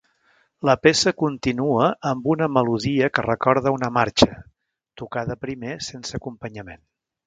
La peça continua amb una melodia que recorda una marxa, tocada primer sense acompanyament.